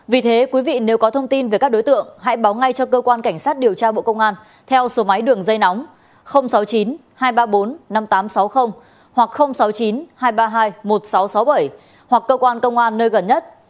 vì thế quý vị nếu có thông tin về các đối tượng hãy báo ngay cho cơ quan cảnh sát điều tra bộ công an theo số máy đường dây nóng sáu mươi chín hai trăm ba mươi bốn năm nghìn tám trăm sáu mươi hoặc sáu mươi chín hai trăm ba mươi hai một nghìn sáu trăm sáu mươi bảy hoặc cơ quan công an nơi gần nhất